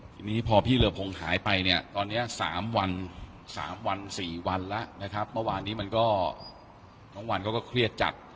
พี่นี้พอพี่เรือพงษ์หายไปตอนนี้๓วัน๔วันแล้วเมื่อวานนี้น้องวันก็เครียดจัด